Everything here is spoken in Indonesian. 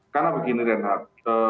karena begini renat